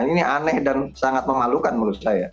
ini aneh dan sangat memalukan menurut saya